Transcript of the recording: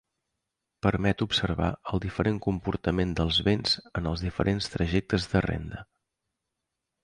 Permet observar el diferent comportament dels béns en els diferents trajectes de renda.